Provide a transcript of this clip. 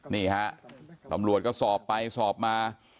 นี่ฮะตำรวจก็สอบไปสอบมา